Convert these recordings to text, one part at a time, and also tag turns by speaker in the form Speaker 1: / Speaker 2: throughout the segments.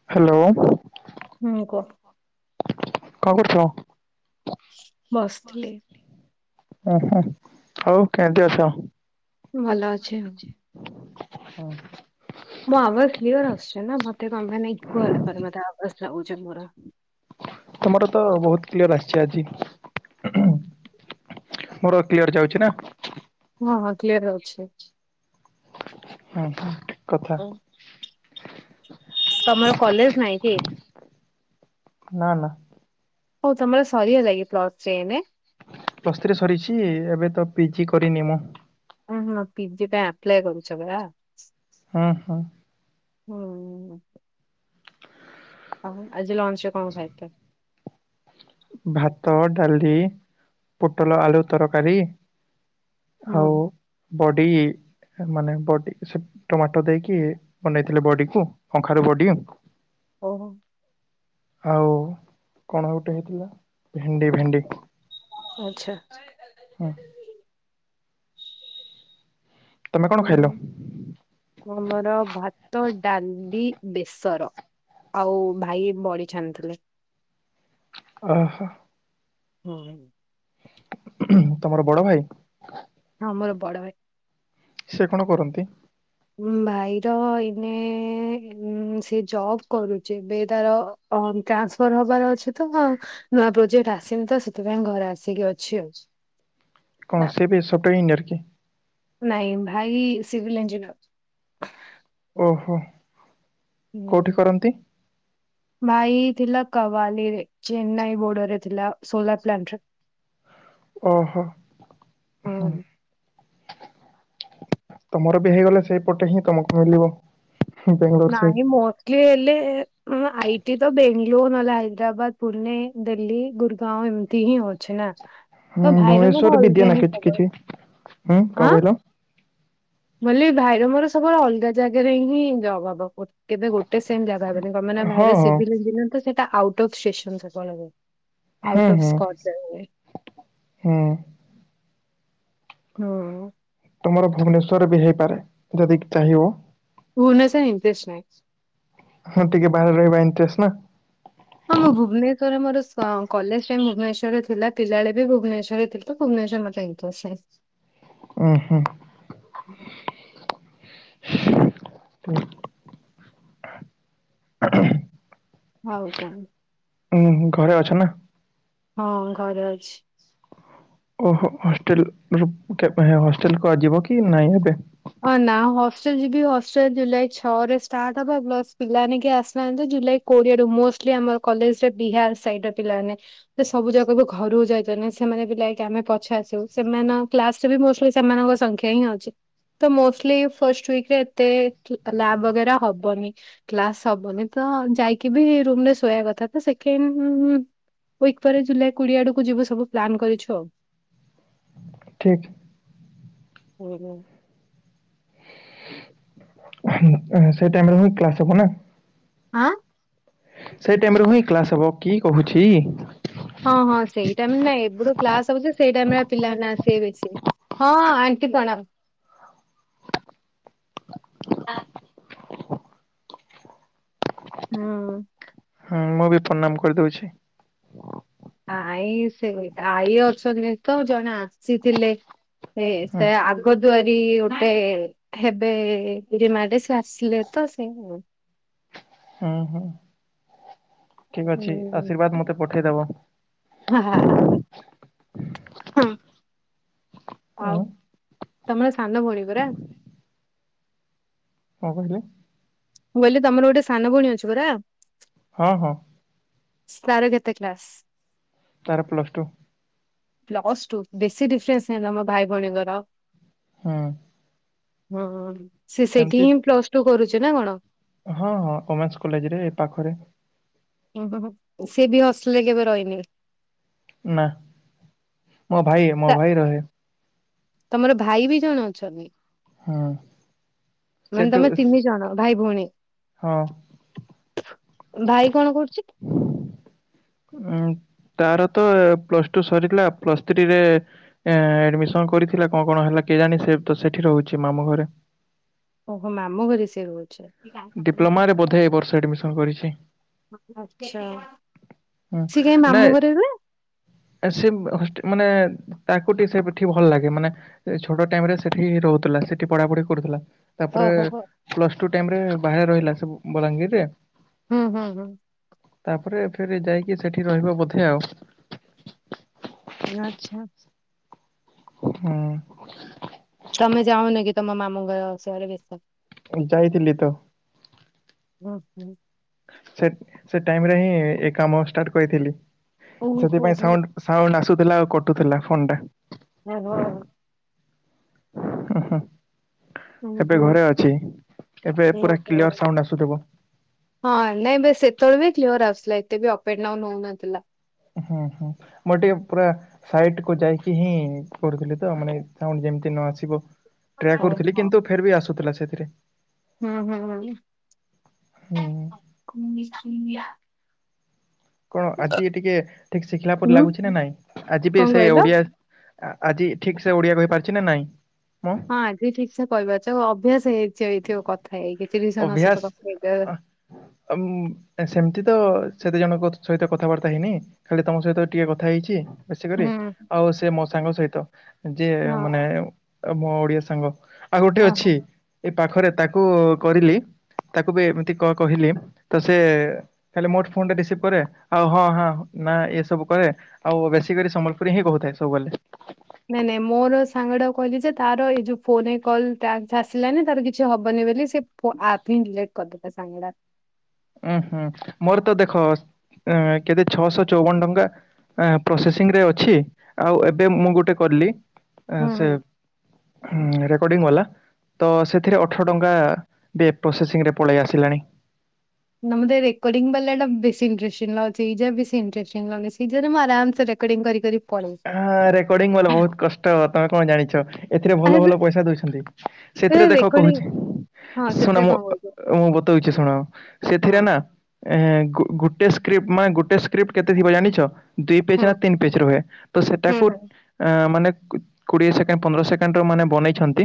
Speaker 1: Hello
Speaker 2: ହୁଁ କୁହ
Speaker 1: କଣ କରୁଛ? ବସିଥିଲି ଉଁ
Speaker 2: ବସିଥିଲି।
Speaker 1: ହୁଁ ହଉ କେମିତି ଅଛ?
Speaker 2: ଭଲ ଅଛି। ଆଉ
Speaker 1: ବୁଲୁଛି ହୁଁ।
Speaker 2: ମୋ ଆବାଜ କ୍ଲିୟର ଆସୁଛି ନା ମତେ କଣ ପାଇଁ ଇକୋ ହେଲା ପରେ ମତେ ଆବାଜ ଲାଗୁଛି ମୋର।
Speaker 1: ତମର ତ ବହୁତ କ୍ଲିୟର ଆସିଛି ଆଜି।
Speaker 2: ହୁଁ [inaudible]
Speaker 1: ମୋର କ୍ଲିୟର ଯାଉଛି ନା।
Speaker 2: ହଁ ହଁ କ୍ଲିୟର ଆଉଛି।
Speaker 1: ହଁ ଠିକ୍ କଥା।
Speaker 2: ତମର କଲେଜ ନାଇଁ କି?
Speaker 1: ନା ନା।
Speaker 2: ହଉ ତମର ସରି ହେଲା କି ପ୍ଲ ଟ ଚେନ୍।
Speaker 1: ପ୍ଲସ ଥ୍ରି ସରିଛି ଏବେ ତ ପିଜି କରିନି ମୁଁ।
Speaker 2: ଉ ହଁ ପିଜି ଟା ଆପ୍ଲାଏ କରୁଛ ପରା।
Speaker 1: ଉଁ ହୂ।
Speaker 2: [inaudible] ହଉ ଆଜି ଲଞ୍ଚରେ କଣ ଖାଇଥଲ?
Speaker 1: ଭାତ ଡାଲି ପୋଟଲ ଆଳୁ ତରକାରୀ। ଆଉ
Speaker 2: ହୁଁ
Speaker 1: ବଡି ମାନେ ବଡି ସେ ଟମାଟୋ ଦେଇକି। ବନେଇଥିଲେ ବଡିକୁ କଖାରୁ ବଡି
Speaker 2: ଓହୋ।
Speaker 1: ଆଉ କଣ ଗୋଟେ ହେଇଥିଲା? ଭେଣ୍ଡି ଭେଣ୍ଡି।
Speaker 2: ଓ ଆଛା।
Speaker 1: ହୁଁ ତମେ କଣ ଖାଇଲ?
Speaker 2: ହଁ ଆମର ଭାତ ଡାଲି ବେସର। ଆଉ ଭାଇ ବଢି ଛାଣିଥିଲେ।
Speaker 1: ଓ ହ।
Speaker 2: ହୁଁ।
Speaker 1: ତମର ବଡ ଭାଇ?
Speaker 2: ହଁ ମୋର ବଡ ଭାଇ।
Speaker 1: ସେ କଣ କରନ୍ତି?
Speaker 2: ଭାଇର ଏଇନେ ସେ ଜବ କରୁଛି ଏବେ ତାର ଅ ଟ୍ରାନ୍ସଫର୍ ହବାର ଅଛି ତ ମୁଁ ଆଉ ନୂଆ ପ୍ରୋଜେକ୍ଟ ଆସିନି ତ ସେଥିପାଇଁ ଘରେ ଆସିକି ଅଛି ଆଉ
Speaker 1: କଣ ସେ ବି ସଫ୍ଟୱେୟାର ଇଞ୍ଜିନିୟର କି?
Speaker 2: ନାଇଁ ଭାଇ ସିଭିିଲ୍ ଇଞ୍ଜିନିୟର।
Speaker 1: ଓହୋ। କୋଉଠି
Speaker 2: ହୁଁ।
Speaker 1: କରନ୍ତି?
Speaker 2: ଭାଇ ଥିଲା କୱାଲିରେ ଚେନ୍ନାଇ ବୋର୍ଡ ରେ ଥିଲା ସୋଲାର ପ୍ଲାଣ୍ଟ ରେ [inaudible]
Speaker 1: ଓହୋ ହୁଁ।
Speaker 2: ହଁ।
Speaker 1: ତମର ବି ହେଇଗଲେ ସେଇପଟେ ହିଁ ତମକୁ ମିଳିବ। ବେଙ୍ଗଲୋର ସାଇଡ
Speaker 2: ନାଇଁ ମୋଷ୍ଟଲି ହେଲେ ହଁ ଆଇଟି ତ ବେଙ୍ଗଲୋର ନହେଲେ ହାଇଦ୍ରାବାଦ ପୁନେ ଦିଲ୍ଲୀ ଗୁଡଗାଓଁ ଏମିତି ହିଁ ହଉଛି ନା?
Speaker 1: ହୁଁ
Speaker 2: ତ ଭାଇର
Speaker 1: ଭୁବନେଶ୍ୱର ବି ଦିଏ
Speaker 2: ମତେ
Speaker 1: ନା କିଛି କିଛି ହୁଁ କଣ
Speaker 2: [inaudible]
Speaker 1: କହିଲ?
Speaker 2: କହିଲି ଭାଇର ମୋର ସବୁବେଳେ ଅଲଗା ଜାଗାରେ ହିଁ ଯବ ହବ କର। କେବେ ଗୋଟେ ସେମ ଜାଗା ହେବନି କାହିଁନା
Speaker 1: ହଁ
Speaker 2: ଭାଇର
Speaker 1: ହଁ
Speaker 2: ସିଭିଲ୍ ଇଞ୍ଜିନିୟର ତ ସେଇଟା ଆଉଟଫ୍ ଷ୍ଟେସନସ୍ ରେ ପଳେଇବ।
Speaker 1: ହେଁ ହେଁ ହେଁ।
Speaker 2: ହଁ।
Speaker 1: ତମର ଭୁବନେଶ୍ଵର ବି ହେଇପାରେ ଯଦି ଚାହିଁବ?
Speaker 2: ଭୁବନେଶ୍ବର ଇଣ୍ଟରେଷ୍ଟ ନାଇଁ?
Speaker 1: ହଁ ଟିକେ ବାହାରେ ରହିବା ଇଣ୍ଟରେଷ୍ଟ ନା?
Speaker 2: ହଁ ମୁଁ ଭୁବନେଶ୍ୱର ମୋର କଲେଜ ଟାଇମ୍ ଭୁବନେଶ୍ରରେ ଥିଲା ପିଲାବେଳେ ବି ଭୁବନେଶ୍ୱର ଥିଲ ତ ଭୁବନେଶ୍ୱର ମତେବି ତ ସେ
Speaker 1: ଉୁଁ ହୁଁ।
Speaker 2: ହଉ ହ।
Speaker 1: ହୁଁ ଘରେ ଅଛ ନା?
Speaker 2: ହଁ ଘରେ ଅଛି।
Speaker 1: ଓହୋ ହଷ୍ଟେଲର ହଷ୍ଟେଲକୁୁ ଆ ଯିବ କି ନାଇଁ ଏବେ?
Speaker 2: ହ ନା ହଷ୍ଟେଲ ଯିବି ହଷ୍ଟେଲ ଜୁଲାଇ ଛଅ ରେ ଷ୍ଟାର୍ଟ ହବା ପ୍ଲସ ପିଲାମାନେ କେହି ଆସିନାହାନ୍ତି ଜୁଲାଇ କୋଡିଏ ରୁ ମୋଷ୍ଟ ଆମର କଲେଜରେ ବିହାର ସାଇଡ ର ପିଲାମାନେ ସବୁ ଜାଗାକୁ ଘରକୁ ଯାଇ ସେମାନେ ବି ଲାଗି ଆମେ ପଛ ଆସିବୁ ସେମାନେ କ୍ଲାସ ସେ ବି ମୋଷ୍ଟଲି ସେମାନଙ୍କ ସଂଖ୍ୟା ହିଁ ଅଛି। ତ ମୋଷ୍ଟଲି ଫଷ୍ଟ ୱିକରେ ଏତେ ଲାବ୍ ବଗେରା ହବନି। କ୍ଲାସ ହବନି ତ ଯାଇକି ବି ରୁମରେ ଶୋଇବା କଥା ତ ସେ କେମ୍ ୱିକ ପରେ ଜୁଲାଇ କୋଡିଏ ଆଡ଼କୁ ଯିବୁ ସବୁ ପ୍ଲାନ୍ କରିଛୁ ଆଉ।
Speaker 1: ଠିକ୍।
Speaker 2: ହୁଁ ହୁଁ।
Speaker 1: [inaudible] ସେଇ ଟାଇମରେ ହ କ୍ଲାସ ହବ ନା?
Speaker 2: ଆଁ
Speaker 1: ସେଇ ଟାଇମରୁ ହିଁ କ୍ଲାସ ହବ କି କହୁଛି।
Speaker 2: ହଁ ହଁ ସେଇ ଟାଇମ ନାଇଁ ଏୁବଠୁ କ୍ଲାସ ହଉଛି ସେଇ ଟାଇମ ରେ ପିଲାମାନେ ଆସିବେ ବେଶି। ହଁ ଆଣ୍ଟି ପ୍ରଣାମ। ହଁ।
Speaker 1: ହଁ ମୁଁ ବି ପ୍ରଣାମ କରିଦଉଛି।
Speaker 2: ଆଇ ସେ ଆଈ ଅଛନ୍ତି ତ ଜଣେ ଆସିଥିଲେ। ହେ
Speaker 1: ହୁଁ
Speaker 2: ସେଇ ଆ କଦୁଆରୀ ଗୋଟେ ହେବେରିମା ରେ ସେ ଆସିଲେ ତ ସେ
Speaker 1: ହୁଁ ହୁଁ ଠିକ ଅଛି
Speaker 2: ହଁ
Speaker 1: ଆଶୀର୍ବାଦ ମତେ ପଠେଇଦବ। ଉଁ କଣ
Speaker 2: [inaudible] ତମର ସାନ ଭଉଣୀ ପରା।
Speaker 1: କଣ କହିଲେ?
Speaker 2: ମୁଁ କହିଲି ତମର ଗୋଟେ ସାନ ଭଉଣି ଅଛି ପରା?
Speaker 1: ହଁ ହଁ।
Speaker 2: ସ୍ ତାର କେତେ କ୍ଲାସ୍?
Speaker 1: ତାର ପ୍ଲସ ଟୁ।
Speaker 2: ପ୍ଲସ ଟୁ ବେଶୀ ଡିଫରେନ୍ସ ନାହି ତମ ଭାଇ ଭଉଣୀଙ୍କର।
Speaker 1: ହଁ।
Speaker 2: ହଁ ସେ ସେଇଠି
Speaker 1: ସେମିତି
Speaker 2: ହିଁ ପ୍ଲସ ଟୁ କରୁଛି ନା କଣ?
Speaker 1: ହଁ ହଁ ଓମେନ୍ସ କଲେଜ ରେ ଏ ପାଖରେ।
Speaker 2: ଓ ହୋ ସିଏ ବି ହସଟେଲ୍ ରେ କେବେ ରହିନି?
Speaker 1: ନା ମୋ ଭାଇ ମୋ
Speaker 2: ତା
Speaker 1: ଭାଇ ରହେ।
Speaker 2: ତମର ଭାଇ ବି ଜଣେ ଅଛନ୍ତି?
Speaker 1: ହୁଁ
Speaker 2: ମାନେ
Speaker 1: ସେଠୁ
Speaker 2: ତମେ ତିନି ଜଣ ଭାଇ ଭଉଣୀ?
Speaker 1: ହଁ।
Speaker 2: ଭାଇ କଣ କରୁଛି?
Speaker 1: ଉଁ ତାର ତ ପ୍ଲସ ଟୁ ସରିଲା ପ୍ଲସ ଥ୍ରୀରେ ଏ ଆଡମିସନ କରିଥିଲା କଣ କଣ ହେଲା କେଜାଣି ସେ ତ ସେଠି ରହୁଛି ମାମୁ ଘରେ।
Speaker 2: ଓହୋ ମାମୁଁ ଘରେ ସେ ରହୁଛି।
Speaker 1: ଡିପ୍ଲୋମାରେ ବୋଧେ ଏ ବର୍ଷ ଆଡମିସନ କରିଛି।
Speaker 2: ଆଛା
Speaker 1: ହୁଁ
Speaker 2: ସିଏ କାଇଁ
Speaker 1: ନାଇଁ
Speaker 2: ମାମୁଁ ଘରେ ରୁହେ?
Speaker 1: ସେ ବ୍ ହଷ୍ଟ୍ ମାନେ ତାକୁଟି ସେଠି ଭଲ ଲାଗେ ମାନେ ଛୋଡ ଟାଇମ ରେ ସେଠିି ରହୁଥିଲା ସେଠି ପଢାପଢି କରୁଥିଲା। ତାପରେ
Speaker 2: ଓହୋ ହୋ
Speaker 1: ପ୍ଲସ ଟୁ ଟାଇରମ୍ ବାହାରେ ରହିଲା ସେ ବଲାଙ୍ଗୀରରେ।
Speaker 2: ହୁଁ ହୁଁ ହୁଁ।
Speaker 1: ତାପରେ ଫେରେ ଯାଇକି ସେଠି ରହିବ ବୋଧେ ଆଉ।
Speaker 2: ଆଚ୍ଛା।
Speaker 1: ହୁଁ।
Speaker 2: ତମ ଯାଉନକି ତମ ମାମୁ ଘରେ ଅସ ଆରେ ବେସ?
Speaker 1: ଯାଇଥିଲିତ।
Speaker 2: ହୁଁ ହୁଁ।
Speaker 1: ସେ ସେ ଟାଇମରେହିଁ ଏକାମ ଷ୍ଟାର୍ଟ କରିଥିଲି
Speaker 2: ଓହୋ
Speaker 1: ସେଥିପାଇଁ
Speaker 2: ହୋ
Speaker 1: ସାଉଣ୍ଡ ସାଉଣ୍ଡୁ ଆସୁଥିଲା ଆଉ କଟୁଥିଲା ଫୋନଟା।
Speaker 2: ମେଘ
Speaker 1: ହୁଁ-ହୁଁ।।
Speaker 2: ହୁଁ
Speaker 1: ଏବେ
Speaker 2: ହୁଁ
Speaker 1: ଘରେ ଅଛି ଏବେ ପୁରା
Speaker 2: ଓହୋ।
Speaker 1: କ୍ଲିଅର ସାଉଣ୍ଡୁ ଆସୁଥିବ।
Speaker 2: ହଁ ନାଇଁ ବେଶ ସେତେବେଳେବି କ୍ଲିୟର ଆସୁଥିଲା ଏତେବି ଅପ ଆଣ୍ଡ ଡାଉନ୍ ହଉନଥିଲା।
Speaker 1: ହୁଁ ହୁଁ ମୁଁ ଟିକେ ପୁରା ସାଇଟକୁ ଯାଇକି ହିଁ ପଢ଼ୁଥିଲିତ ମାନେ ହଁ ସାଉଣ୍ଡୁ ଯେମିତି ନଆସିବ ଟ୍ରାଏ କରୁଥିଲି
Speaker 2: ଓହୋ
Speaker 1: କିନ୍ତୁ ଫେରବି ଆସୁଥିଲା ସେଇଥିରେ।
Speaker 2: ହୁଁ ହୁଁ
Speaker 1: ହୁଁ
Speaker 2: ଉଁ ଉଁ।
Speaker 1: କଣ ଆଜି ଟିକେ ଠିକ୍ ଶିଖିଲା ପରେ
Speaker 2: ଉଁ
Speaker 1: ଲାଗୁଚିନା ନାଇଁ ଆଜି ବି
Speaker 2: କଣ
Speaker 1: ସେ
Speaker 2: କହିଲ?
Speaker 1: ଓଡ଼ିଆ ଆଜି ଠିକ୍ସେ ଓଡ଼ିଆ କହିପାରଚିନା ନାଇଁ ମୁଁ?
Speaker 2: ହଁ ଆଜି ଠିକସେ କହିପାରୁଚ ଅଭ୍ୟାସ ହେଇଯାଇଥିିବ କଥା ହେଇକି ତିରିଶି ଜଣ ସହ କଥା ହେଇକି।
Speaker 1: ଉମ ସେମିତିତ ସେଦିଇଜଣଙ୍କ ସହିତ କଥାବାର୍ତ୍ତା ହେଇନି ଖାଲି ତମ ସହିତ ଟିକେ କଥା ହେଇଚି। ବେଶୀ କରି
Speaker 2: ହୁଁ
Speaker 1: ଆଉସେ ମୋସାଙ୍ଗ ସହିତ ଯିଏ
Speaker 2: ହଁ
Speaker 1: ମାନେ ମୋ ଓଡ଼ିଆ ସାଙ୍ଗ ଆଉ ଗୋଟେ ଅଛି
Speaker 2: ଓହୋ।
Speaker 1: ଏଇ ପାଖରେ ତାକୁ କରିଲି ତାକୁବି ଏମିତି କ କହିଲି ତ ସେ ଖାଲି ମୋର ଫୋନଟା ରିସିଭ୍ କରେ ଆଉ ହଁ ହାଁ ନା ଏସବୁ କହେ ଆଉ ବେଶୀ କରି ସମ୍ବଲପୁରୀହିଁ କହୁଥାଏ ସବୁବେଲେ।
Speaker 2: ନାଇଁ ନାଇଁ ମୋର ସାଙ୍ଗଟାକୁ କହିଲିଯେ ତାର ଏଇ ଯୋଉ ଫୋନ୍ କଲ୍ ଟାସ୍କ ଆସିଲାନି ତାର କିଛି ହବନି ବୋଲି ସେ ଫୋନ୍ ଅପ୍ ହିଁ ଡିଲେଟ୍ କରି ଦେଲା ସାଙ୍ଗଟା।
Speaker 1: ଉୁଁ ହୁଁ ମୋରତ ଦେଖ କେତେ ଛଅଶହ ଚଉବନ ଟଙ୍କା ଆଁ ପ୍ରୋସେସିଂରେ ଅଛି ଆଉ ଏବେ ମୁଁ ଗୋଟେ କଲି, ଅଁ
Speaker 2: ହୁଁ
Speaker 1: ସେ
Speaker 2: ହୁଁ।
Speaker 1: ରେକର୍ଡ଼ିଙ୍ଗ ବାଲା ତସେଥିରେ ଅଠର ଟଙ୍କାବି ପ୍ରୋସେସିଂରେ ପଳେଇ ଆସିଲାଣି।
Speaker 2: ନା ମତେ ରେକର୍ଡିଂ ବାଲାଟା ବେଶୀ ଇଣ୍ଟେରଷ୍ଟିଙ୍ଗ ଲାଗୁଚି ଜାବି ଣ୍ଟେରଷ୍ଟିଙ୍ଗ ଲାଗୁଚି ସେଇଟାରେ ମୁଁ ଆରାମସେ ରେ ରେକର୍ଡିଙ୍ଗ କରି କରି ପଳେଇବି।
Speaker 1: ହଁ ରେକର୍ଡିଙ୍ଗ ବଲା ବହୁତ୍ କଷ୍ଟ ତମେ କଣ ଜାଣିଛ ଏଥିରେ
Speaker 2: ଆରେ
Speaker 1: ଭଲ ଭଲ ପଇସା ଦଉଛନ୍ତି।
Speaker 2: ରେ
Speaker 1: ସେଥିରେ ଦେଖ
Speaker 2: ରେକର୍ଡିଂ
Speaker 1: କହୁଛି
Speaker 2: ହଁ
Speaker 1: ଶୁଣ
Speaker 2: ସେଥିରେ
Speaker 1: ମୁଁ
Speaker 2: କଁ କହୁଚ?
Speaker 1: ମୁଁ ବତଉଚି ଶୁଣ, ସେଥିରେନା ଏଂ ଗୋ ଗୋଟେ ସ୍କ୍ରିପ୍ଟ ମାନେ ଗୋଟେ ସ୍କ୍ରିପ୍ଟ କେତେ ଥିବ ଜାଣିଚ? ଦୁଇ
Speaker 2: ହୁଁ
Speaker 1: ପେଜନା ତିନି ପେଜ୍ ରୁହେ
Speaker 2: ହୁଁ
Speaker 1: ତସେଟାକୁ
Speaker 2: ହୁଁ
Speaker 1: ଏଂ ମାନେ କୋଡ଼ିଏ ସେକେଣ୍ଡ ପନ୍ଦର ସେକେଣ୍ଡର ମାନେ ବନେଇଛନ୍ତି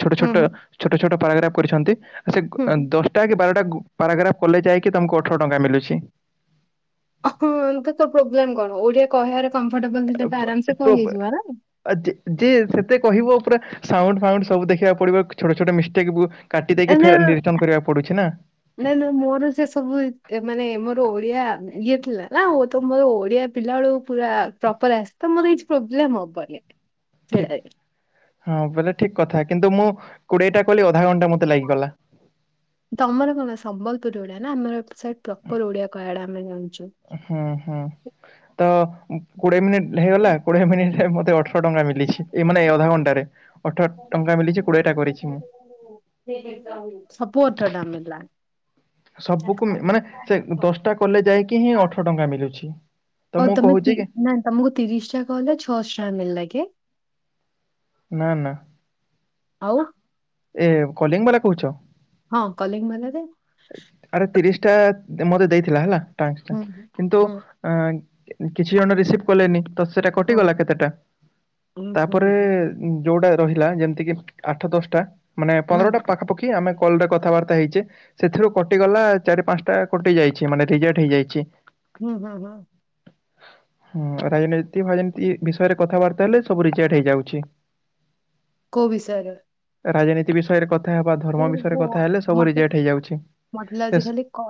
Speaker 1: ଛୋଟ
Speaker 2: ହୁଁ
Speaker 1: ଛୋଟ
Speaker 2: ହୁଁ
Speaker 1: ଛୋଟ ଛୋଟ ପାରାଗ୍ରା୍ କରିଛନ୍ତି ଆସେ
Speaker 2: ହୁଁ।
Speaker 1: ଦଶ ଟା କି ବାରଟା ପାରାଗ୍ରା୍ କଲେ ଯାଇକି ତମକୁ ଅଠର ଟଙ୍କା ମିଲୁଛି
Speaker 2: ହଁ ତ ପ୍ରୋବ୍ଲେମ୍ କଣ ଓଡ଼ିଆ କହିବାରେ କମ୍ଫର୍ଟେବଲ ଆରାମସେ କହି ହେଇଯିବନା।
Speaker 1: ଯେ ଯେ ସେତେ କହିବ ପୁରା ସାଉଣ୍ଡ ଫାଉଣ୍ଡ ସବୁ ଦେଖିବାକୁ ପଡ଼ିବ ଛୋଟ ଛୋଟ ମିଷ୍ଟେକ୍ ବି କାଟି ଦେଇକି ଫେର ନିୟୁଟନ୍ କରିବାକୁ ପଡ଼ୁଚି ନା।
Speaker 2: ନାଇଁ ନାଇଁ ମୋର ସେସବୁ ମାନେ ମୋର ଓଡ଼ିଆ ଇଏ ଥିଲାନା ଓ ତ ମୋର ଓଡ଼ିଆ ପିଲାବେେଳୁ ପୁରା ପ୍ରପର ଆସେ ତ ମୋର କିଛି ପ୍ରୋବ୍ଲେମ ହବ ନି
Speaker 1: ଠିକ
Speaker 2: ସେଟାରେ।
Speaker 1: ହଁ ବେଲେ ଠିକ କଥା କିନ୍ତୁ ମୁଁ କୋଡିଏଟା କଲି ଅଧା ଘଣ୍ଟା ମତେ ଲାଗିଗଲା।
Speaker 2: ତମର କଣ ସମ୍ବଲପୁର ଓଡିଆ ନା ଆମର ଏପଟ ସାଇଟ୍ ପ୍ରପର ଓଡିଆ କହିବାଟା ଆମେ ଜାଣିଚୁ।
Speaker 1: ହୁଁ ହୁଁ ତ କୋଡିଏ ମିନିଟ୍ ହେଇଗଲା କୋଡିଏ ମିନିଟ ମତେ ଅଠର ଅଠର ଟଙ୍କା ମିଳିଛି ଏଇ ମାନେ ଅଧା ଘଣ୍ଟାରେ ଅଠର ଟଙ୍କା ମିିଛି କୋଡିଏଟା କରିଛି ତ ମୁଁ।
Speaker 2: ସବୁ ଅଠର ଟାଙ୍କା ମିଳିଲା।
Speaker 1: ସବୁକୁ ମାନେ ସେ ଦଶଟା କଲେ ଯାଇଁକି ହିଁ ଅଠର ଟଙ୍କା ମଳୁଛି।
Speaker 2: ଆଉ ତମେ ନା ତମକୁ ତିରିଶ ଟଙ୍କା କଲ ଛଅଶହ ଟଙ୍କା ମିଳ ଲା କି?
Speaker 1: ନା ନା।
Speaker 2: ଆଉ
Speaker 1: ଏ କଲିଙ୍ଗ ବାଲା କହୁଛ?
Speaker 2: ହଁ କଲିଙ୍ଗ ବାଲା ରେ
Speaker 1: ଆରେ ତିରିଶ ଟା ମୋତେ ଦେଇଥିଲା ହେଲା ଟାସ ଟା
Speaker 2: ହୁଁ ହୁଁ
Speaker 1: କିନ୍ତୁ
Speaker 2: ହୁଁ
Speaker 1: ଅ କିଛି ଜଣ ରିସିଭ କଲେନି। ତ ସେଟା
Speaker 2: ହୁଁ
Speaker 1: କଟିଗଲା କେତେଟା
Speaker 2: ହୁଁ
Speaker 1: ତାପରେ
Speaker 2: ହୁଁ
Speaker 1: ଯୋଉଟା ରହିଲା ଯେମିତି କିି ଆଠ ଦଶଟା ମାନେ
Speaker 2: ହୁଁ
Speaker 1: ପନ୍ଦରଟା ପାଖାପାଖି କି ଆମେ କଲ ରେ କଥାବାର୍ତ୍ତା ହେଇଛେ ସେଥିରୁ କଟିଗଲା ଚାରି ପାଞ୍ଚଟା କଟି ଯାଇଛି ମାନେ ରିଜେକ୍ଟ ହେଇଯାଇଛି।
Speaker 2: ହୁଁ ହୁଁ ହୁଁ।
Speaker 1: ହୁଁ ରାଜନୀତି ଫାଜନୀତି ବିଷୟରେ କଥାବାର୍ତ୍ତା ହେଲେ ସବୁ ରିଚୋର୍ଟ ହେଇଯାଉଛି।
Speaker 2: କୋଉ ବିଷୟରେ?
Speaker 1: ରାଜନୀତି ବିଷୟରେ କଥା ହେବା ଧର୍ମ ବିଷୟରେ
Speaker 2: ଓହୋ
Speaker 1: କଥା ହେଲେ ସବୁ
Speaker 2: ମତେ
Speaker 1: ରିଜେକ୍ଟ ହେଇଯାଉଛି
Speaker 2: ମତେ ଲାଗୁଛି
Speaker 1: ହେସ
Speaker 2: ଖାଲି କ-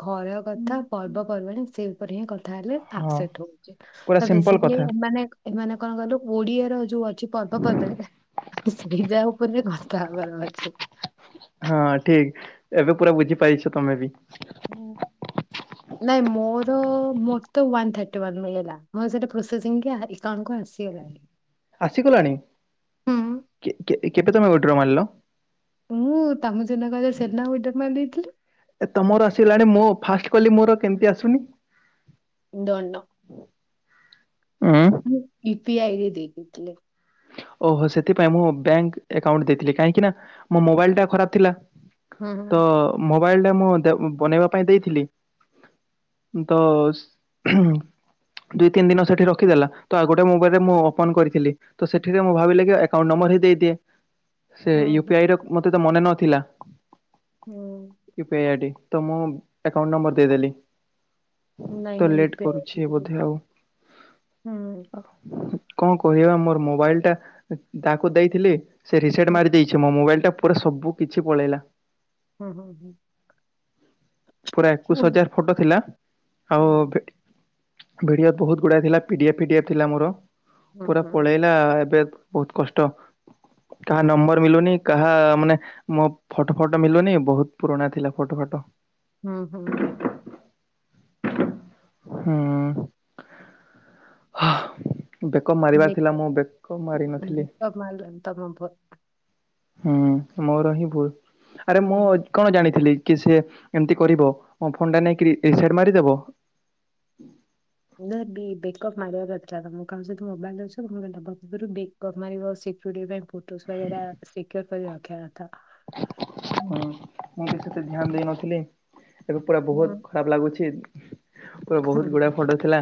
Speaker 2: ଘର କଥା ପର୍ବପର୍ବାଣୀ ସେ ଉପରେ ହିଁ କଥା ହେଲେ
Speaker 1: ହଁ
Speaker 2: [unintelligible] ହଉଛି
Speaker 1: ପୁରା
Speaker 2: ତ
Speaker 1: ସିମ୍ପଲ କଥା
Speaker 2: ବେଶୀକିଲି ଏମାନେ ଏମାନେ କଣ କଲୁ କୋଡିଏର ଯୋଉ ଅ ପର୍ବପର୍ବାଣି ସେଇ ଯାହା ଉପରେ ବି କଥା ହେବାର ଅଛି।
Speaker 1: ହଁ ଠିକ ଏବେ ପୁରା ବୁଝିପାରିଛ ତମେ ବି।
Speaker 2: ହୁଁ। ନାଇଁ ମୋର ମୋତ ୱାନ ଥାଟି ୱାନ ମିଳିଲା ମୋର ସେଟା ପ୍ରୋସେସିଙ୍ଗ କି ଏକାଉଣ୍ଟ୍ ଆସି
Speaker 1: ଆସିଗଲାଣି
Speaker 2: ହୁଁ
Speaker 1: କେ କେ କେତେ ଟଙ୍କା ର ଉଡ୍ର ଗୋଟେ ମାରିଲ?
Speaker 2: ମୁଁ ତମ ସିନା କହିଲ ସେନା ଉଡ୍ର ମାରି ଦେଇଥିଲି।
Speaker 1: ଏ ତମର ଆସିଲାଣି ମୁଁ ଫାଷ୍ଟ କଲି ମୋର କେମିତି ଆସୁନି?
Speaker 2: ଦନ
Speaker 1: ଉଁ।
Speaker 2: ମୁଁ ୟୁ ପି ଆଇ ରେ ଦେଇଦେଇଥିଲି।
Speaker 1: ଓହୋ ସେଥିପାଇଁ ମୁଁ ବ୍ୟାଙ୍କ ଆଉଣ୍ଟ ଦେଇଥିଲି କାହିଁକି ନା ମୋ ମୋବାଇଲ ଟା ଖରାପ ଥିଲା।।
Speaker 2: ହୁଁ
Speaker 1: ତ ମୋବାଇଲ ଟା ମୁଁ ଦେ ବନେଇବା ପାଇଁ ଦେଇଥିଲି। ଉମ ତ ଦୁଇ ତିନି ଦିନ ସେଠି ରଖିଦେଲା ତ ଆଉ ଗୋଟେ ମୋବାଇଲରେ ମୁଁ ଓପନ କରିଥିଲି। ତ ସେଠରେ ମୁଁ ଭାବିଲି କି ଏକଉଣ୍ଟ ନମ୍ବର ହେଇ ଦେଇଦିଏ ସେ
Speaker 2: ହୁଁ ହୁଁ
Speaker 1: ୟୁପି ଆଇ ର ମତେ ତ ମନେ ନଥିଲା।
Speaker 2: ହୁଁ।
Speaker 1: U P I I D ତ ମୁଁ ଏକଉଣ୍ଟ ନମ୍ବର ଦେଇଦେଲି।
Speaker 2: ନାଇଁ
Speaker 1: ତ
Speaker 2: ନାଇଁ
Speaker 1: ଲେଟ
Speaker 2: ୟୁପି ଆଇ
Speaker 1: କରୁଚି
Speaker 2: ଦେଇଥିଲି
Speaker 1: ବୋଧେ ଆଉ।
Speaker 2: ହୁଁ
Speaker 1: କଣ କହିବା ମୋର ମୋବାଇଲଟା ତାକୁ ଦେଇଥିଲି ସେ ରିସେଟ୍
Speaker 2: ହୁଁ
Speaker 1: ମାରି ଦେଇ ସେ ମୋ ମୋବାଇଲ ଟା ପୁରା ସବୁ କିଛି ପଳେଇଲା।
Speaker 2: ହୁଁ ହୁଁ ହୁଁ।
Speaker 1: ପୁରା ଏକୋଇଶ
Speaker 2: ହୁଁ।
Speaker 1: ହଜାର ଫଟୋ ଥିଲା ଆଉ
Speaker 2: ହୁଁ
Speaker 1: ଭିଡିଓ ବହୁତ ଗୁଡା ଥିଲା ପି ଡି ଏଫ୍ ଫି ଏଫ୍ ଥିଲା ମୋର ପୁରା
Speaker 2: ହୁଁ ହୁଁ
Speaker 1: ପଳେଇ ଏବେ ବହୁତ କଷ୍ଟ। କାହା ନମ୍ବର ମିଲୁନି କାହା ମାନେ ମୋ ଫଟୋ ଫଟ ମଳୁନି ବହୁତ ପୁରୁଣା ଥିଲା ଫଟୋ ଫଟ
Speaker 2: ହୁଁ ହୁଁ
Speaker 1: ହଁ ହ ବେକ ମାରିବାର
Speaker 2: ଦେ
Speaker 1: ଥିଲା ମୁଁ ବେକ ମାଡି ନଥିଲି।
Speaker 2: ବେକଅପ୍ ମାରିଲନି ତମ ଫୋ
Speaker 1: ହୁଁ ମୋର ହିଁ ଭୁଲ ଆରେ ମୁଁ
Speaker 2: ହୁଁ
Speaker 1: କଣ ଜାଣିଥିଲି କି ସେ ଏମିତି କରିବ ଫୋନ ଟା ନେଇକି ରିସେଟ ମାରିଦେବ।
Speaker 2: ବି ବେକଅ୍ ମାରିବା ଦରକାର ମୁଁ ତାଙ୍କୁ ସହିଚ ମୋବାଇଲ ଅଛି ଦେବା ପୂର୍ବ ବେକପ ମାରିବ ସିକ୍ୟୁରିଟି ରେ [unintelligible] ଚିକ୍ୱର କରିବା ରଖିବା କଥା।
Speaker 1: [inaudible] ହଁ ମୁଁ ବି ସେତ ଧ୍ୟାନ ଦେଇନଥିଲି ଏବେ ପୁରା ବହୁତ
Speaker 2: ହୁଁ
Speaker 1: ଖରାପ ଲାଗୁଛି। ପୁରା ବହୁତ ଗୁଡା ଫଟୋ ଥିଲା।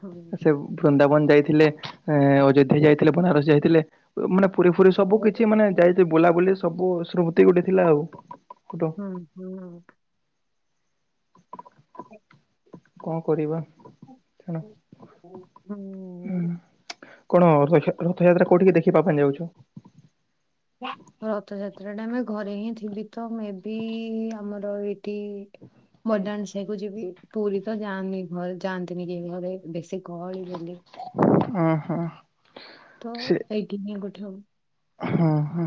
Speaker 2: ହୁଁ
Speaker 1: ସେ ବୃନ୍ଦାବନ ଯାଇଥିଲେ ଆ ଅଯୋଧ୍ୟା ଯାଇଥିଲେ ବନାରସ ଯାଇଥିଲେ। ମାନେ ପୁରି ଫୁରି ସବୁ କିଛି ମାନେ ଯାଇ ବୁଲାବୁଲି ସବୁ ସ୍ମୃତି ଗୋଟେ ଥିଲା ଆଉ।
Speaker 2: ହୁଁ ହୁଁ। [inaudible]
Speaker 1: କଣ କରିବା।
Speaker 2: ହୁଁ।
Speaker 1: ହୁଁ କଣ ରଥଯାତ୍ରା କୋଉଠିକି ଦେଖିବା ପାଇଁ ଯାଉଛ।
Speaker 2: ରଥଯାତ୍ରା ଟା ଆମେ ଘରେ ହିଁ ଥିବି ତ ମେ ବି ଆମର ଏ ମ [unintelligible] ସେକୁ ଯିବି ପୁରୀ ତ ଯାଆନି ଘରେ ଯାଆନ୍ତିନି କି ଘରେ ବେଶୀ ଗହଳି ବୋଲି।
Speaker 1: ଓ ହୁଁ।
Speaker 2: ତ ଏଇଠି ହି ଗୋଠେ ହଉ।
Speaker 1: ହଁ ହୁଁ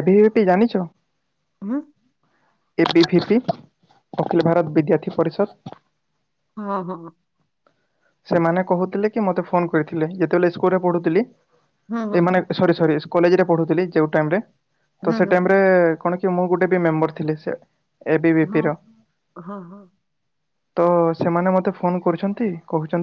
Speaker 1: ଏବେ ହେଠି ଜାଣିଛ?
Speaker 2: ହ
Speaker 1: A B V P Akhil Bharat Vidyarthi Parishad.
Speaker 2: ହଁ ହଁ।
Speaker 1: ସେମାନେ କହୁଥିଲେ କି ମତେ ଫୋନ କରିଥିଲେ ଯେତେବେଳେ ସ୍କୁଲ ରେ ପଢୁଥିଲି।
Speaker 2: ହଁ ହଁ
Speaker 1: ଏମାନେ
Speaker 2: ହଁ।
Speaker 1: ସରି ସରି କଲେଜରେ ପଢ଼ୁଥିଲି ଯେଉଁ ଟାଇମ ରେ ତ
Speaker 2: ହଁ
Speaker 1: ସେ ଟାଇମ ରେ
Speaker 2: ହଁ
Speaker 1: କଣ ମୁଁ ଗୋଟେ ବି ମେମ୍ବର ଥିଲି ସେ ଏ ପି ଭି ପି ର।
Speaker 2: ହଁ ହଁ ହଁ।
Speaker 1: ତ ସେମାନେ ମତେ ଫୋନ କରୁଛନ୍ତି। କହୁଛନ୍ତି